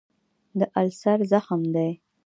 د السر زخم دی.